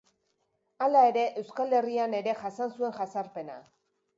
Hala ere, Euskal Herrian ere jasan zuten jazarpena.